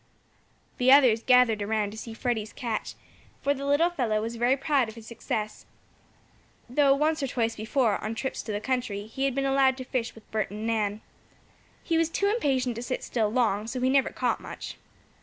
The others gathered around to see Freddie's catch, for the little fellow was very proud of his success, though, once or twice before, on trips to the country, he had been allowed to fish with Bert and Nan. He was too impatient to sit still long, so he never caught much.